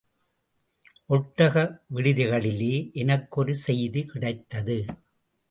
ஒட்டக விடுதிகளிலே எனக்கொரு செய்தி கிடைத்தது.